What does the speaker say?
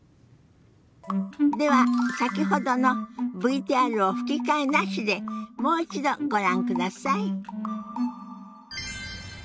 では先ほどのＶＴＲを吹き替えなしでもう一度ご覧ください。